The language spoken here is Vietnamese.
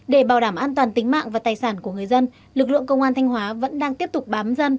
để bảo đảm an toàn tính mạng và tài sản của người dân lực lượng công an thanh hóa vẫn đang tiếp tục bám dân